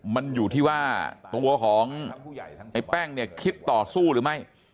มันอยู่ที่ว่าตัวของไอ้แป้งเนี่ยคิดต่อสู้หรือไม่